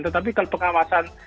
tetapi kalau pengawasan